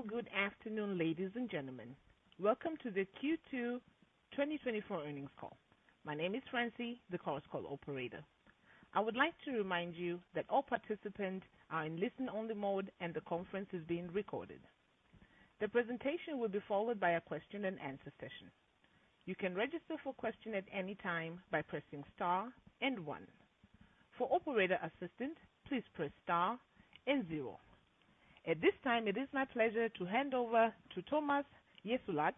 Wonderful, good afternoon, ladies and gentlemen. Welcome to the Q2 2024 Earnings Call. My name is Francie, the call's call operator. I would like to remind you that all participants are in listen-only mode, and the conference is being recorded. The presentation will be followed by a question-and-answer session. You can register for question at any time by pressing star and one. For operator assistance, please press star and zero. At this time, it is my pleasure to hand over to Thomas Jessulat,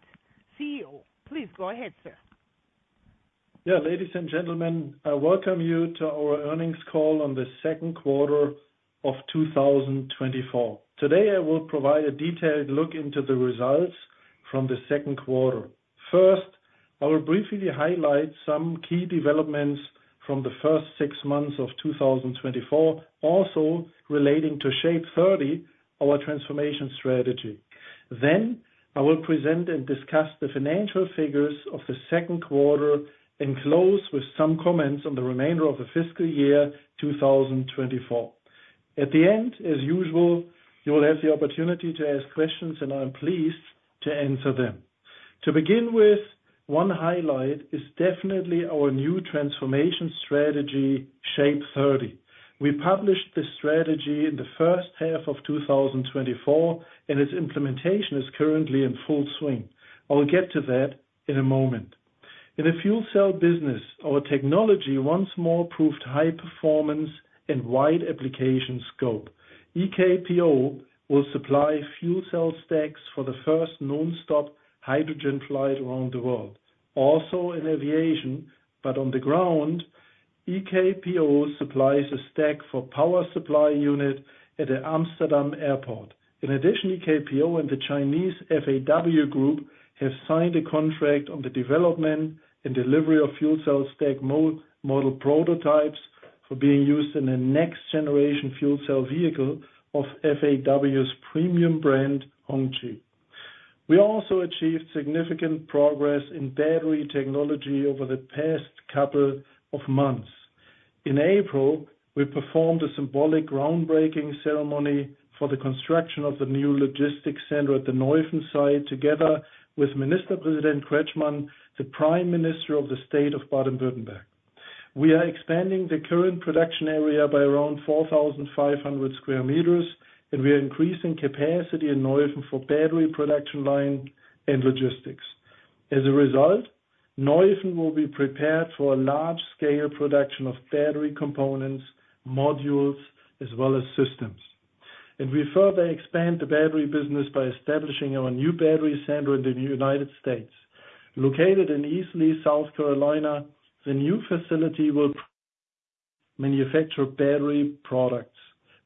CEO. Please go ahead, sir. Yeah, ladies and gentlemen, I welcome you to our earnings call on the Second Quarter of 2024. Today, I will provide a detailed look into the results from the second quarter. First, I will briefly highlight some key developments from the first six months of 2024, also relating to SHAPE30, our transformation strategy. Then, I will present and discuss the financial figures of the second quarter and close with some comments on the remainder of the fiscal year 2024. At the end, as usual, you will have the opportunity to ask questions, and I'm pleased to answer them. To begin with, one highlight is definitely our new transformation strategy, SHAPE30. We published this strategy in the first half of 2024, and its implementation is currently in full swing. I'll get to that in a moment. In the fuel cell business, our technology once more proved high performance and wide application scope. EKPO will supply fuel cell stacks for the first non-stop hydrogen flight around the world, also in aviation, but on the ground, EKPO supplies a stack for power supply unit at the Amsterdam Airport. In addition, EKPO and the Chinese FAW Group have signed a contract on the development and delivery of fuel cell stack model prototypes for being used in the next generation fuel cell vehicle of FAW's premium brand, Hongqi. We also achieved significant progress in battery technology over the past couple of months. In April, we performed a symbolic groundbreaking ceremony for the construction of the new logistics center at the Neuffen site, together with Minister-President Kretschmann, the Prime Minister of the State of Baden-Württemberg. We are expanding the current production area by around 4,500 sq m, and we are increasing capacity in Neuffen for battery production line and logistics. As a result, Neuffen will be prepared for a large-scale production of battery components, modules, as well as systems. We further expand the battery business by establishing our new battery center in the United States. Located in Easley, South Carolina, the new facility will manufacture battery products.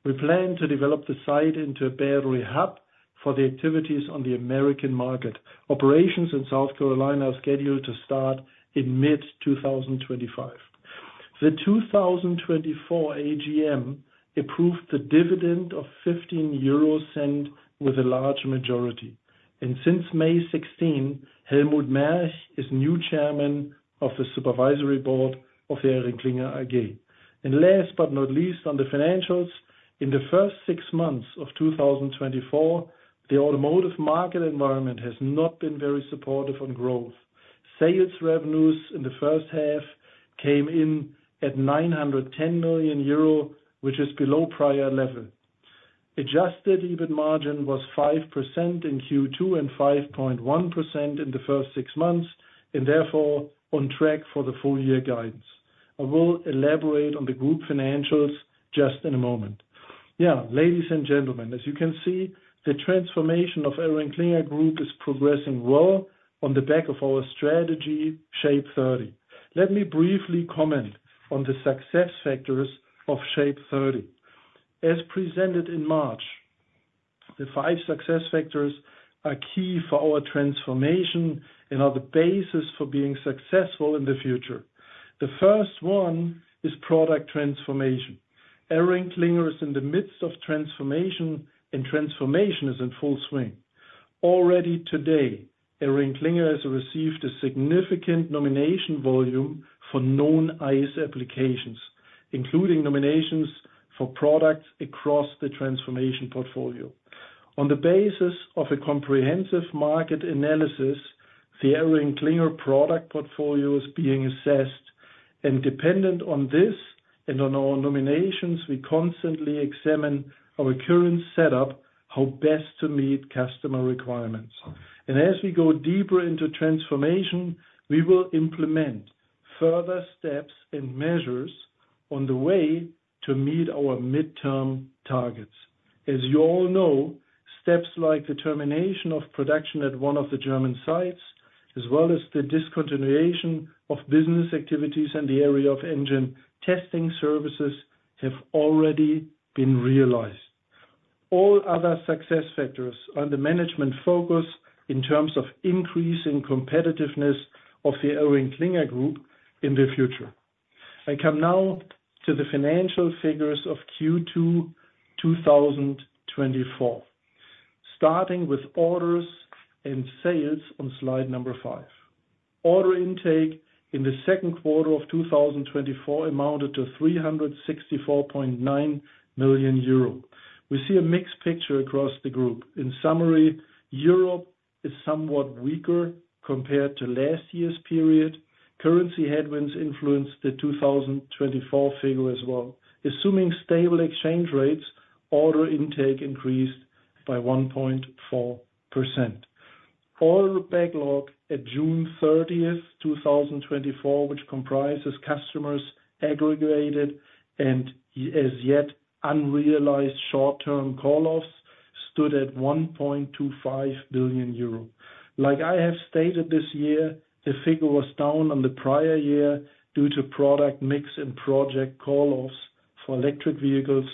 We plan to develop the site into a battery hub for the activities on the American market. Operations in South Carolina are scheduled to start in mid-2025. The 2024 AGM approved the dividend of 0.15 euros with a large majority, and since May 16, Helmut Merch is the new Chairman of the Supervisory Board of ElringKlinger AG. Last but not least, on the financials, in the first six months of 2024, the automotive market environment has not been very supportive on growth. Sales revenues in the first half came in at 910 million euro, which is below prior level. Adjusted EBIT margin was 5% in Q2 and 5.1% in the first six months, and therefore, on track for the full year guidance. I will elaborate on the group financials just in a moment. Yeah, ladies and gentlemen, as you can see, the transformation of ElringKlinger Group is progressing well on the back of our strategy, SHAPE30. Let me briefly comment on the success factors of SHAPE30. As presented in March, the five success factors are key for our transformation and are the basis for being successful in the future. The first one is product transformation. ElringKlinger is in the midst of transformation, and transformation is in full swing. Already today, ElringKlinger has received a significant nomination volume for known ICE applications, including nominations for products across the transformation portfolio. On the basis of a comprehensive market analysis, the ElringKlinger product portfolio is being assessed, and dependent on this and on our nominations, we constantly examine our current setup, how best to meet customer requirements. As we go deeper into transformation, we will implement further steps and measures on the way to meet our midterm targets. As you all know, steps like the termination of production at one of the German sites, as well as the discontinuation of business activities in the area of engine testing services, have already been realized. All other success factors are the management focus in terms of increasing competitiveness of the ElringKlinger Group in the future. I come now to the financial figures of Q2 2024, starting with orders and sales on slide 5. Order intake in the second quarter of 2024 amounted to 364.9 million euro. We see a mixed picture across the group. In summary, Europe is somewhat weaker compared to last year's period. Currency headwinds influenced the 2024 figure as well. Assuming stable exchange rates, order intake increased by 1.4%. Order backlog at June 30, 2024, which comprises customers aggregated and, as yet, unrealized short-term call-offs, stood at 1.25 billion euro. Like I have stated this year, the figure was down on the prior year due to product mix and project call-offs for electric vehicles,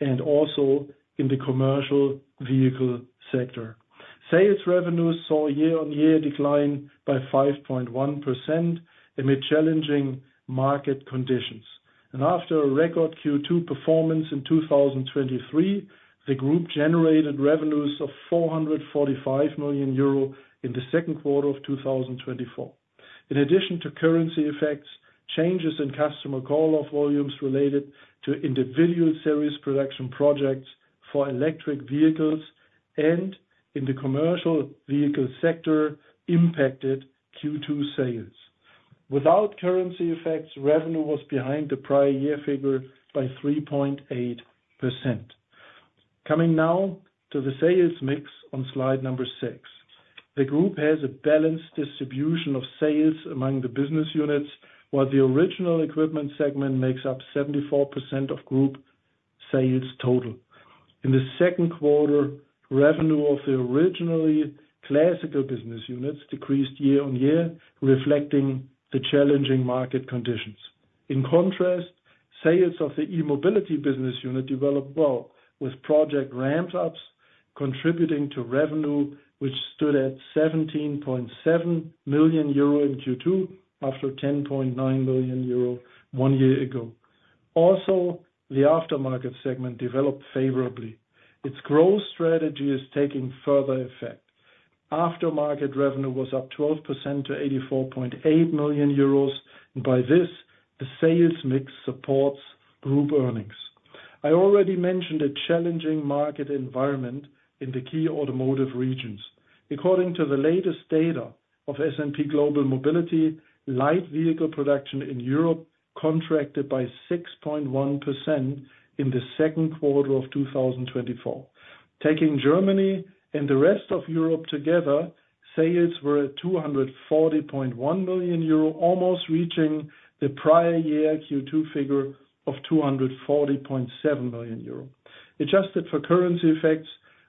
and also in the commercial vehicle sector. Sales revenues saw a year-on-year decline by 5.1% amid challenging market conditions. After a record Q2 performance in 2023, the group generated revenues of 445 million euro in the second quarter of 2024. In addition to currency effects, changes in customer call-off volumes related to individual series production projects for electric vehicles and in the commercial vehicle sector impacted Q2 sales. Without currency effects, revenue was behind the prior year figure by 3.8%. Coming now to the sales mix on slide number six. The group has a balanced distribution of sales among the business units, while the Original Equipment segment makes up 74% of group sales total. In the second quarter, revenue of the originally classical business units decreased year-on-year, reflecting the challenging market conditions. In contrast, sales of the E-Mobility business unit developed well, with project ramp-ups contributing to revenue, which stood at 17.7 million euro in Q2, after 10.9 million euro one year ago. Also, the Aftermarket segment developed favorably. Its growth strategy is taking further effect. Aftermarket revenue was up 12% to 84.8 million euros, and by this, the sales mix supports group earnings. I already mentioned a challenging market environment in the key automotive regions. According to the latest data of S&P Global Mobility, light vehicle production in Europe contracted by 6.1% in the second quarter of 2024. Taking Germany and the rest of Europe together, sales were at 240.1 million euro, almost reaching the prior year Q2 figure of 240.7 million euro. Adjusted for currency effects,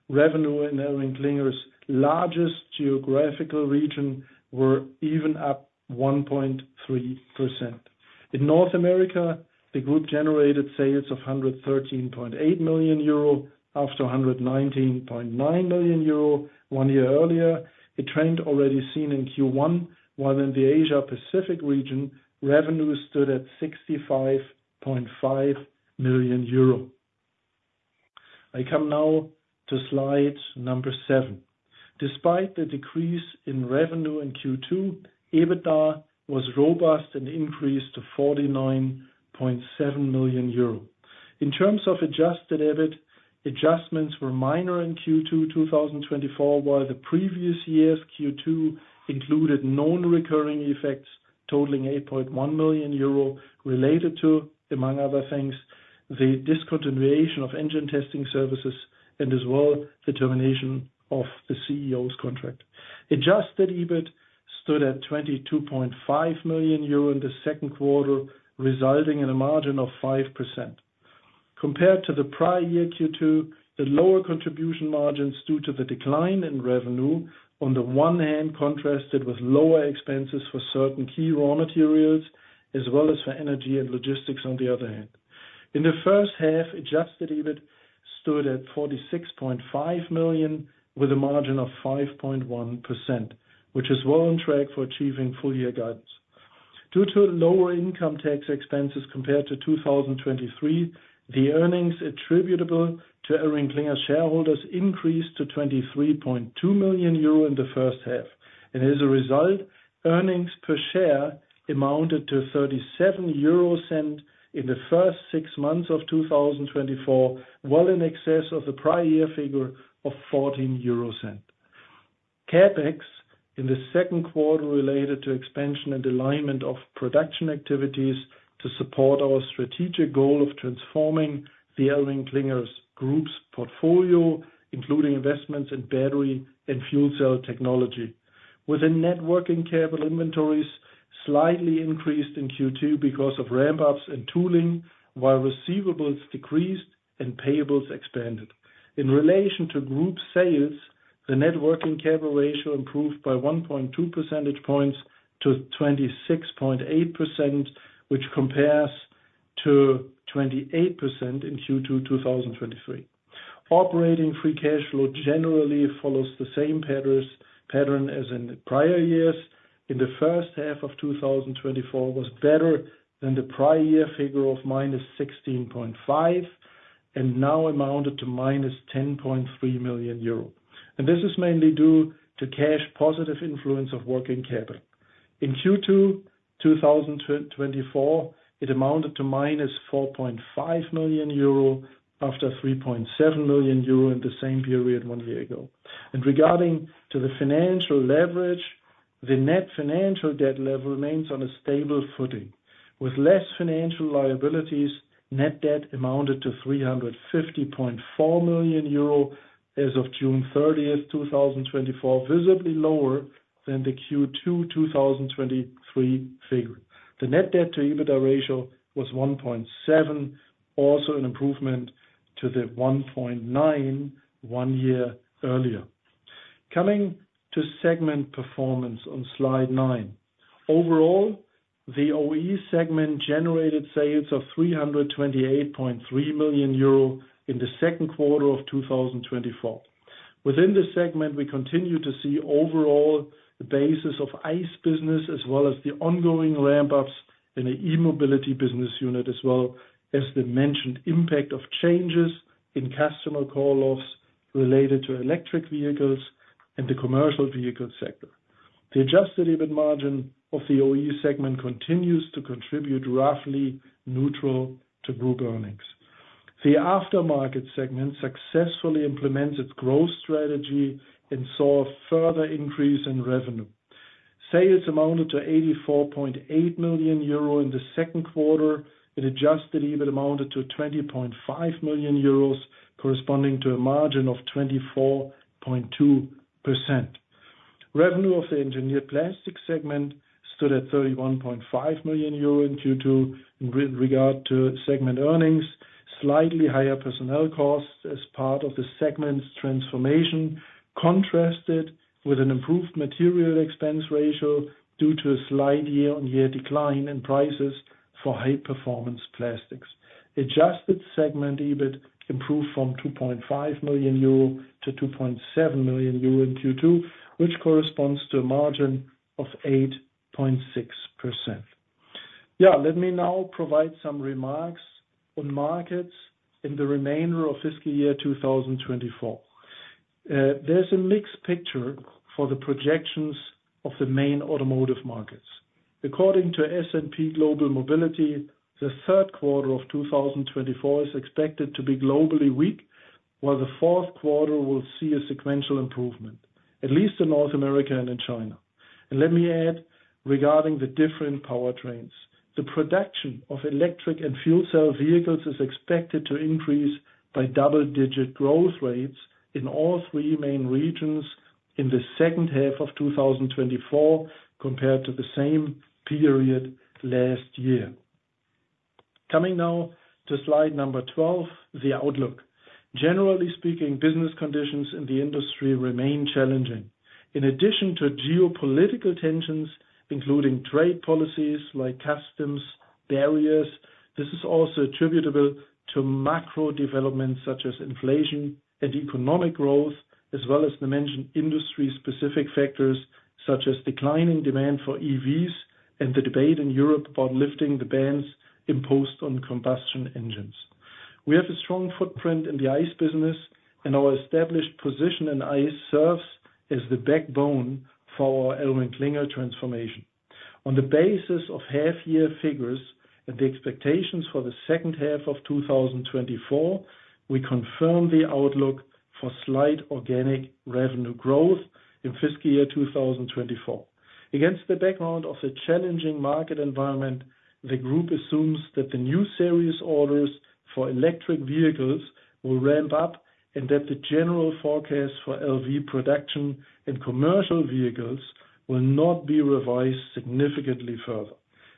revenue in ElringKlinger's largest geographical region were even up 1.3%. In North America, the group generated sales of 113.8 million euro, after 119.9 million euro one year earlier, a trend already seen in Q1, while in the Asia-Pacific region, revenue stood at 65.5 million euro. I come now to slide number 7. Despite the decrease in revenue in Q2, EBITDA was robust and increased to 49.7 million euro. In terms of adjusted EBIT, adjustments were minor in Q2 2024, while the previous year's Q2 included non-recurring effects totaling 8.1 million euro, related to, among other things, the discontinuation of engine testing services and as well, the termination of the CEO's contract. Adjusted EBIT stood at 22.5 million euro in the second quarter, resulting in a margin of 5%. Compared to the prior year Q2, the lower contribution margins due to the decline in revenue, on the one hand, contrasted with lower expenses for certain key raw materials, as well as for energy and logistics, on the other hand. In the first half, adjusted EBIT stood at 46.5 million, with a margin of 5.1%, which is well on track for achieving full-year guidance. Due to lower income tax expenses compared to 2023, the earnings attributable to ElringKlinger's shareholders increased to 23.2 million euro in the first half. As a result, earnings per share amounted to 0.37 in the first six months of 2024, well in excess of the prior year figure of 0.14. CapEx in the second quarter related to expansion and alignment of production activities to support our strategic goal of transforming ElringKlinger Group's portfolio, including investments in battery and fuel cell technology. Within net working capital, inventories slightly increased in Q2 because of ramp-ups and tooling, while receivables decreased and payables expanded. In relation to group sales, the net working capital ratio improved by 1.2 percentage points to 26.8%, which compares to 28% in Q2 2023. Operating free cash flow generally follows the same patterns as in the prior years. In the first half of 2024 was better than the prior year figure of -16.5 million and now amounted to -10.3 million euro. This is mainly due to cash positive influence of working capital. In Q2 2024, it amounted to -4.5 million euro, after 3.7 million euro in the same period one year ago. Regarding the financial leverage, the net financial debt level remains on a stable footing, with less financial liabilities, net debt amounted to 350.4 million euro as of June 30, 2024, visibly lower than the Q2 2023 figure. The net debt to EBITDA ratio was 1.7, also an improvement to the 1.9 one year earlier. Coming to segment performance on slide nine. Overall, the OE segment generated sales of 328.3 million euro in the second quarter of 2024. Within this segment, we continue to see overall the basis of ICE business, as well as the ongoing ramp-ups in the E-Mobility business unit, as well as the mentioned impact of changes in customer call-offs related to electric vehicles and the commercial vehicle sector. The adjusted EBIT margin of the OE segment continues to contribute roughly neutral to group earnings. The aftermarket segment successfully implemented its growth strategy and saw a further increase in revenue. Sales amounted to 84.8 million euro in the second quarter, and adjusted EBIT amounted to 20.5 million euros, corresponding to a margin of 24.2%. Revenue of the Engineered Plastics segment stood at 31.5 million euro due to, with regard to segment earnings, slightly higher personnel costs as part of the segment's transformation, contrasted with an improved material expense ratio due to a slight year-on-year decline in prices for high-performance plastics. Adjusted segment EBIT improved from 2.5 million euro to 2.7 million euro in Q2, which corresponds to a margin of 8.6%. Yeah, let me now provide some remarks on markets in the remainder of fiscal year 2024. There's a mixed picture for the projections of the main automotive markets. According to S&P Global Mobility, the third quarter of 2024 is expected to be globally weak, while the fourth quarter will see a sequential improvement, at least in North America and in China. And let me add, regarding the different powertrains, the production of electric and fuel cell vehicles is expected to increase by double-digit growth rates in all three main regions in the second half of 2024, compared to the same period last year. Coming now to slide number 12, the outlook. Generally speaking, business conditions in the industry remain challenging. In addition to geopolitical tensions, including trade policies like customs barriers, this is also attributable to macro developments such as inflation and economic growth, as well as the mentioned industry-specific factors such as declining demand for EVs and the debate in Europe about lifting the bans imposed on combustion engines. We have a strong footprint in the ICE business, and our established position in ICE serves as the backbone for our ElringKlinger transformation. On the basis of half-year figures and the expectations for the second half of 2024, we confirm the outlook for slight organic revenue growth in fiscal year 2024. Against the background of the challenging market environment, the group assumes that the new series orders for electric vehicles will ramp up and that the general forecast for LV production and commercial vehicles will not be revised significantly further.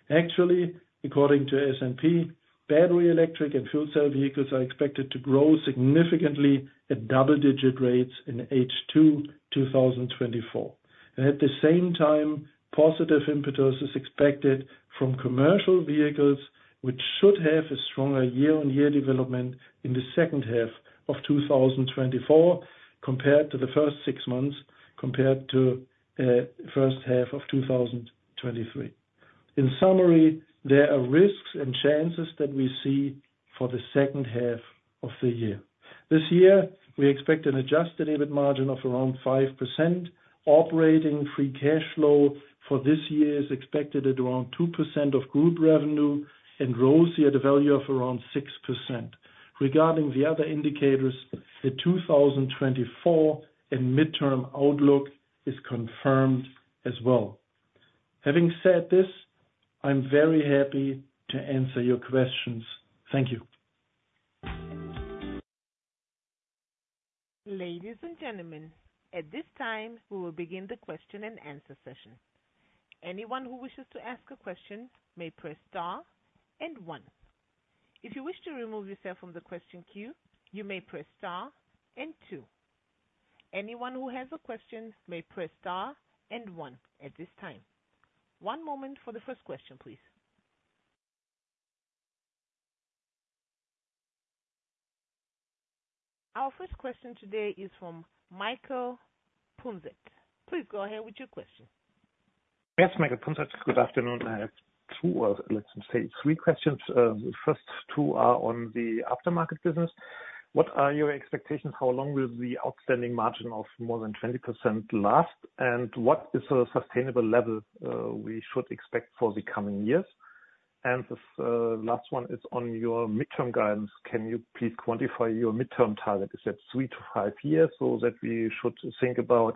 Actually, according to S&P, battery, electric, and fuel cell vehicles are expected to grow significantly at double-digit rates in H2 2024. And at the same time, positive impetus is expected from commercial vehicles, which should have a stronger year-on-year development in the second half of 2024, compared to the first six months, compared to first half of 2023. In summary, there are risks and chances that we see for the second half of the year. This year, we expect an Adjusted EBIT margin of around 5%. Operating free cash flow for this year is expected at around 2% of group revenue, and ROACE at a value of around 6%. Regarding the other indicators, the 2024 and midterm outlook is confirmed as well. Having said this, I'm very happy to answer your questions. Thank you. Ladies and gentlemen, at this time, we will begin the question-and-answer session. Anyone who wishes to ask a question may press star and one. If you wish to remove yourself from the question queue, you may press star and two. Anyone who has a question may press star and one at this time. One moment for the first question, please.... Our first question today is from Michael Punzet. Please go ahead with your question. Yes, Michael Punzet. Good afternoon. I have two, or let's say three questions. The first two are on the aftermarket business. What are your expectations? How long will the outstanding margin of more than 20% last? And what is a sustainable level we should expect for the coming years? And the last one is on your mid-term guidance. Can you please quantify your mid-term target? Is that 3 years-5 years, or that we should think about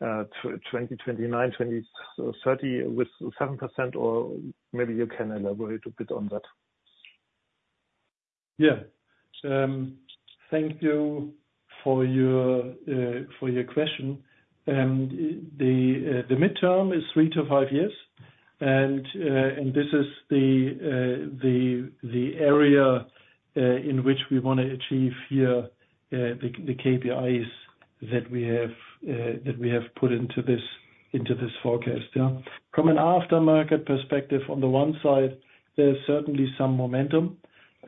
2029, 2030, with 7%, or maybe you can elaborate a bit on that. Yeah. Thank you for your question. The midterm is three to five years, and this is the area in which we wanna achieve here the KPIs that we have put into this forecast, yeah. From an aftermarket perspective, on the one side, there's certainly some momentum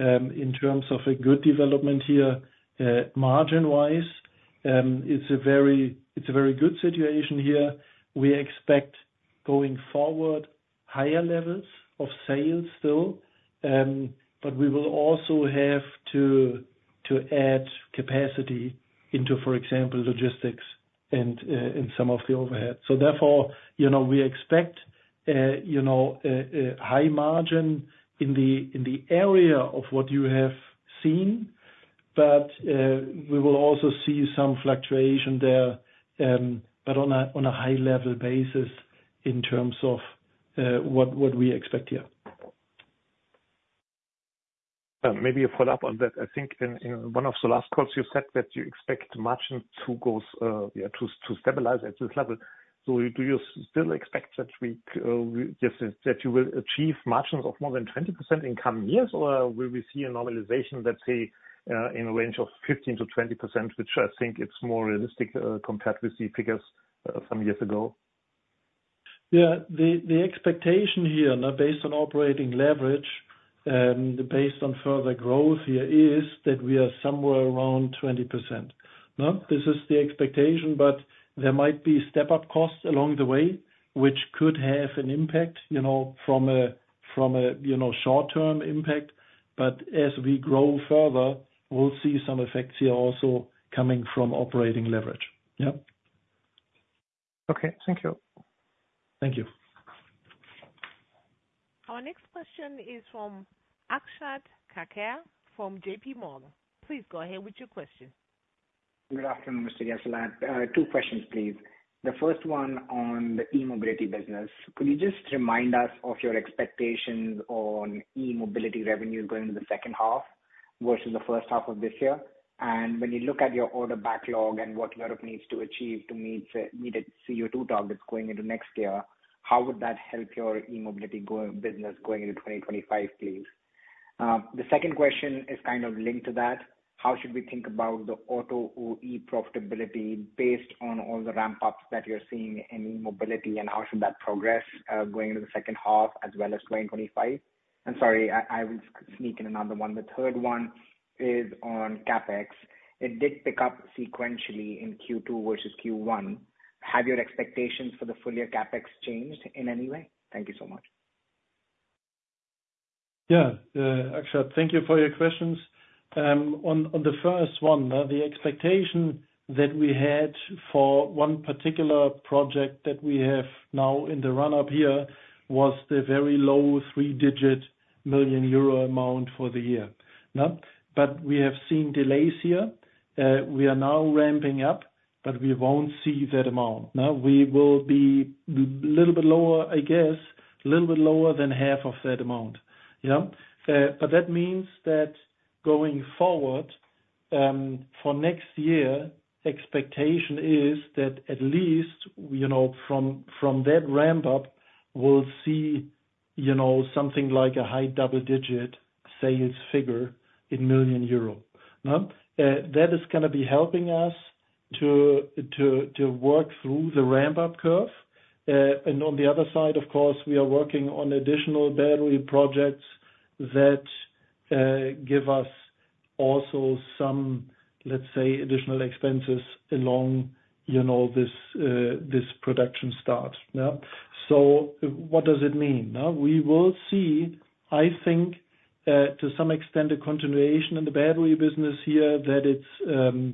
in terms of a good development here margin-wise. It's a very good situation here. We expect, going forward, higher levels of sales still. But we will also have to add capacity into, for example, logistics and in some of the overhead. So therefore, you know, we expect a high margin in the area of what you have seen, but we will also see some fluctuation there, but on a high level basis in terms of what we expect here. Maybe a follow-up on that. I think in one of the last calls, you said that you expect margin to go, yeah, to stabilize at this level. So do you still expect that you will achieve margins of more than 20% in coming years, or will we see a normalization, let's say, in a range of 15%-20%, which I think it's more realistic, compared with the figures some years ago? Yeah. The expectation here, now based on operating leverage, based on further growth here, is that we are somewhere around 20%. Now, this is the expectation, but there might be step-up costs along the way, which could have an impact, you know, from a, from a, you know, short-term impact. But as we grow further, we'll see some effects here also coming from operating leverage. Yeah. Okay, thank you. Thank you. Our next question is from Akshat Kacker from J.P. Morgan. Please go ahead with your question. Good afternoon, Mr. Jessulat. Two questions, please. The first one on the E- Mobility business: Could you just remind us of your expectations on E-Mobility revenue going into the second half versus the first half of this year? And when you look at your order backlog and what Europe needs to achieve to meet its CO2 targets going into next year, how would that help your E-Mobility business going into 2025, please? The second question is kind of linked to that. How should we think about the auto OE profitability based on all the ramp-ups that you're seeing in E-Mobility, and how should that progress going into the second half as well as 2025? And sorry, I will sneak in another one. The third one is on CapEx. It did pick up sequentially in Q2 versus Q1. Have your expectations for the full year CapEx changed in any way? Thank you so much. Yeah, Akshat, thank you for your questions. On the first one, the expectation that we had for one particular project that we have now in the run-up here was a very low three-digit million EUR amount for the year. But we have seen delays here. We are now ramping up, but we won't see that amount. We will be a little bit lower, I guess, a little bit lower than half of that amount, yeah? But that means that going forward, for next year, expectation is that at least, you know, from that ramp up, we'll see, you know, something like a high double-digit sales figure in million EUR. That is gonna be helping us to work through the ramp-up curve. And on the other side, of course, we are working on additional battery projects that give us also some, let's say, additional expenses along, you know, this production start. Now, so what does it mean? Now, we will see, I think, to some extent, a continuation in the battery business here, that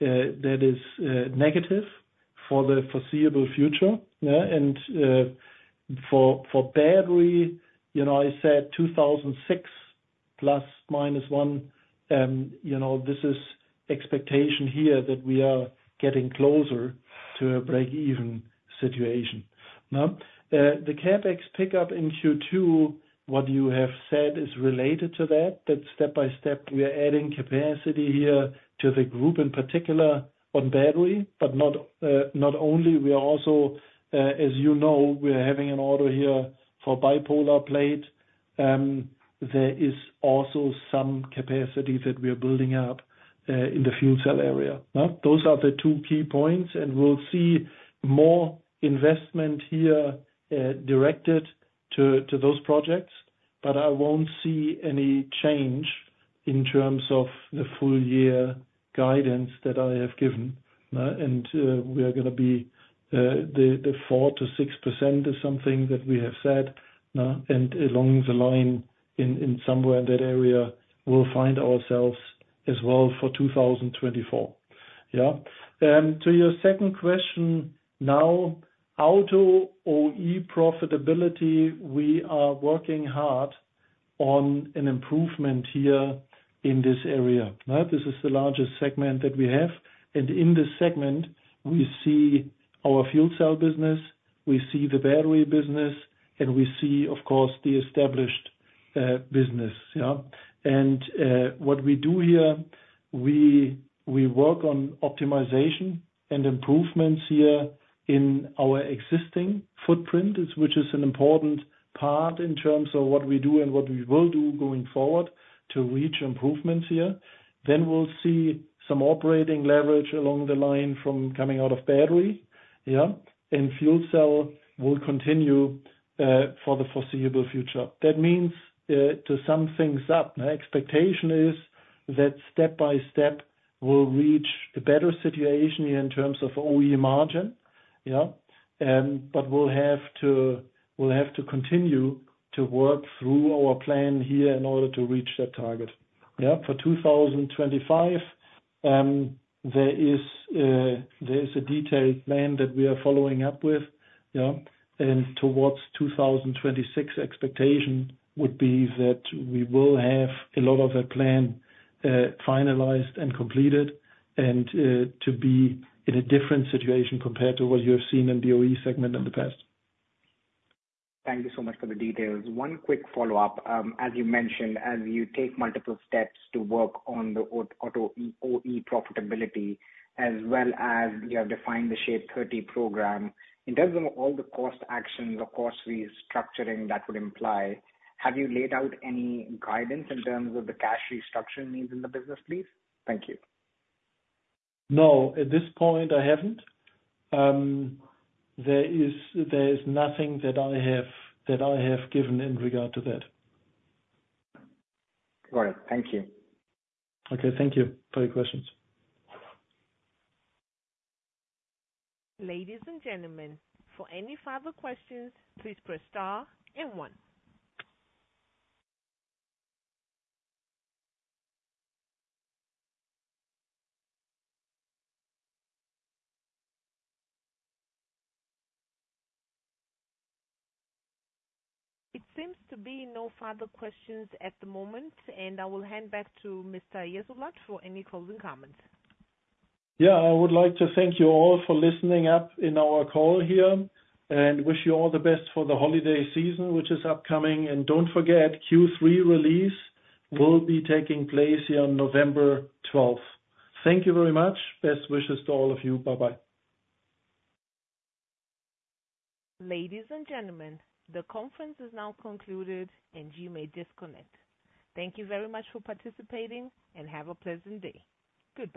it is negative for the foreseeable future, yeah? And for battery, you know, I said 2026 ±1. You know, this is expectation here, that we are getting closer to a break-even situation. Now, the CapEx pickup in Q2, what you have said, is related to that. That step by step, we are adding capacity here to the group, in particular on battery, but not only. We are also, as you know, we are having an order here for bipolar plate. There is also some capacity that we are building up in the fuel cell area, huh? Those are the two key points, and we'll see more investment here directed to those projects. But I won't see any change in terms of the full year guidance that I have given, and we are gonna be the 4%-6% is something that we have said, and along the line in somewhere in that area, we'll find ourselves as well for 2024. Yeah. To your second question, now, auto OE profitability, we are working hard on an improvement here in this area, right? This is the largest segment that we have, and in this segment, we see our fuel cell business, we see the battery business, and we see, of course, the established business. And what we do here, we work on optimization and improvements here in our existing footprint, which is an important part in terms of what we do and what we will do going forward to reach improvements here. Then we'll see some operating leverage along the line from coming out of battery, and fuel cell will continue for the foreseeable future. That means, to sum things up, my expectation is that step by step, we'll reach a better situation in terms of OE margin. But we'll have to continue to work through our plan here in order to reach that target. Yeah, for 2025, there is, there is a detailed plan that we are following up with, yeah, and towards 2026 expectation would be that we will have a lot of our plan, finalized and completed, and, to be in a different situation compared to what you have seen in the OE segment in the past. Thank you so much for the details. One quick follow-up. As you mentioned, as you take multiple steps to work on the auto OE profitability, as well as you have defined the SHAPE30 program, in terms of all the cost actions or cost restructuring that would imply, have you laid out any guidance in terms of the cash restructure needs in the business, please? Thank you. No, at this point, I haven't. There is nothing that I have given in regard to that. All right. Thank you. Okay, thank you for your questions. Ladies and gentlemen, for any further questions, please press star and one. It seems to be no further questions at the moment, and I will hand back to Mr. Jessulat for any closing comments. Yeah, I would like to thank you all for listening up in our call here, and wish you all the best for the holiday season, which is upcoming. Don't forget, Q3 release will be taking place here on November 12th. Thank you very much. Best wishes to all of you. Bye-bye. Ladies and gentlemen, the conference is now concluded, and you may disconnect. Thank you very much for participating, and have a pleasant day. Goodbye.